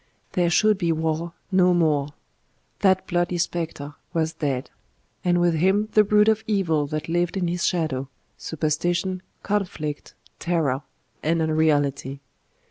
There should be war no more: that bloody spectre was dead, and with him the brood of evil that lived in his shadow superstition, conflict, terror, and unreality.